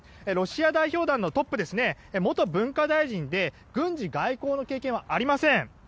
ロシア代表団のトップ元文化大臣で軍事外交の経験はありません。